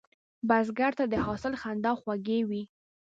بزګر ته د حاصل خندا خوږه وي